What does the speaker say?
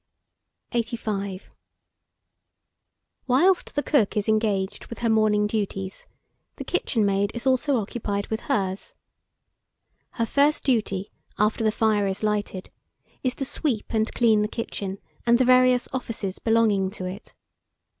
85. WHILST THE COOK IS ENGAGED WITH HER MORNING DUTIES, the kitchen maid is also occupied with hers. Her first duty, after the fire is lighted, is to sweep and clean the kitchen, and the various offices belonging to it.